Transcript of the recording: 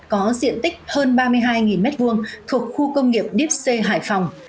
có diện tích hơn ba mươi hai m hai thuộc khu công nghiệp dipsy hải phòng